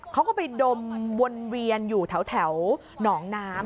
เขาก็ไปดมวนเวียนอยู่แถวหนองน้ำ